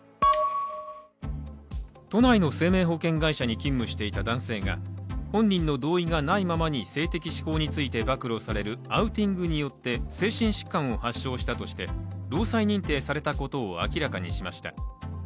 都内の生命保険会社に勤務していた男性が本人の同意がないままに性的指向について暴露されるアウティングによって精神疾患を発症したとして労災認定されたことを明らかにしました。